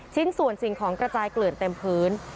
ชิ้นส่วนสิ่งของกระจายเกลื่อนเต็มพื้น